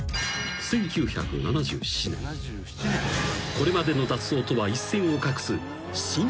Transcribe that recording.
［これまでの脱走とは一線を画す］